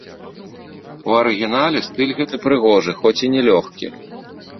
У арыгінале стыль гэты прыгожы, хоць і не лёгкі.